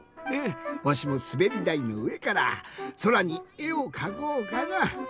わしもすべりだいのうえからそらにえをかこうかな。